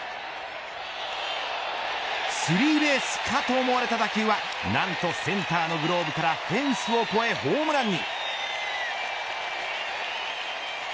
スリーベースかと思われた打球は何とセンターのグローブからフェンスを越えホームランに。